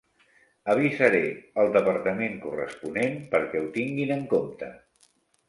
Avisaré el departament corresponent perquè ho tinguin en compte.